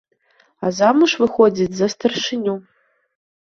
А замуж выходзіць за старшыню!